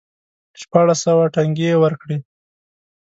شپاړس سوه ټنګې یې ورکړې.